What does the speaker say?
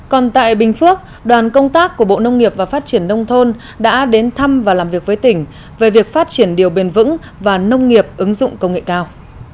còn tại bình phước đoàn công tác của bộ nông nghiệp và phát triển nông thôn đã đến thăm và làm việc với tỉnh về việc phát triển điều bền vững và nông nghiệp ứng dụng công nghệ cao